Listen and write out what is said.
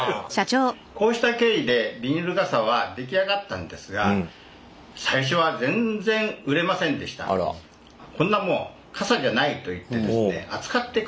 こうした経緯でビニール傘は出来上がったんですが最初は「こんなもん傘じゃない」といってですね扱ってくださらなかったんですね。